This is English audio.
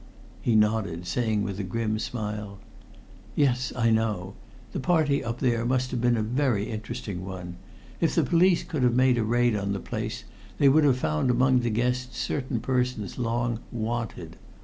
He nodded, saying with a grim smile, "Yes; I know. The party up there must have been a very interesting one. If the police could have made a raid on the place they would have found among the guests certain persons long 'wanted.'